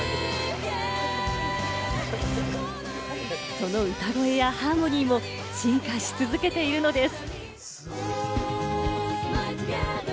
その歌声やハーモニーも進化し続けているのです。